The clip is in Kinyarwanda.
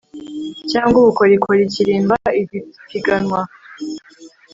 cyangwa ubukorikori kirindwa ipiganwa